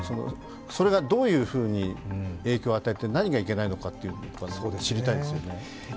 それがどういうふうに影響を与えて何がいけないのかというのが知りたいですよね。